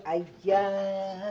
saya tidak akan memaksa